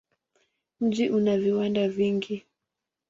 Mji una viwanda vingi.